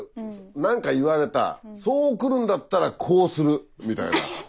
何か言われたそう来るんだったらこうするみたいな。